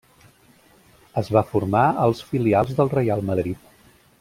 Es va formar als filials del Reial Madrid.